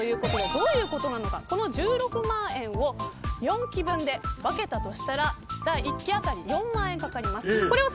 どういうことかというとこの１６万円を４期分で分けたとしたら１期当たり４万円かかります。